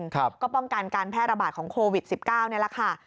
ก็ป้องกันการแพร่ระบาดของโควิด๑๙นี่แหละค่ะ